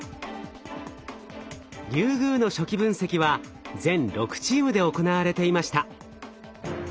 リュウグウの初期分析は全６チームで行われていました。